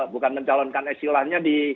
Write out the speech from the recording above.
bukan mencalonkan istilahnya